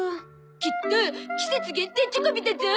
きっと季節限定チョコビだゾ。